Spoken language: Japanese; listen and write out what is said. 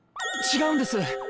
違うんです。